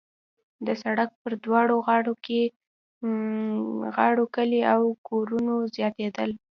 د سړک پر دواړو غاړو کلي او کورونه زیاتېدل.